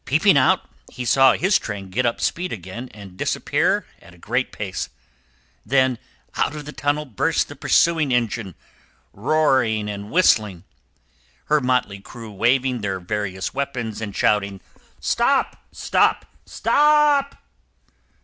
Peeping out, he saw his train get up speed again and disappear at a great pace. Then out of the tunnel burst the pursuing engine, roaring and whistling, her motley crew waving their various weapons and shouting, "Stop! stop! stop!"